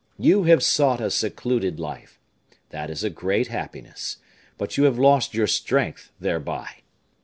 You have sought a secluded life; that is a great happiness, but you have lost your strength thereby.